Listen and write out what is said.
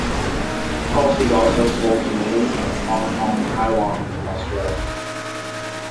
Cross is also sold in Malaysia, Hong Kong, Taiwan and Australia.